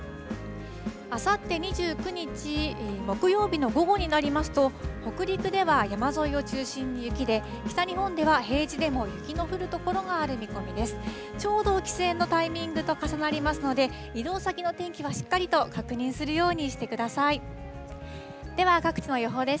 あさって２９日木曜日の午後になりますと、北陸では山沿いを中心に雪で、北日本では平地でも雪の降る所がある見込みです。